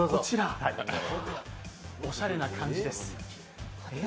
おしゃれな感じです。